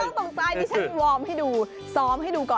ไม่ต้องใจที่ฉันวอร์มให้ดูซ้อมให้ดูก่อน